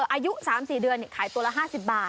อายุ๓๔เดือนขายตัวละ๕๐บาท